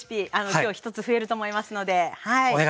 今日１つ増えると思いますのではい。